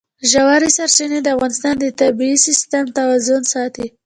ژورې سرچینې د افغانستان د طبعي سیسټم توازن ساتي.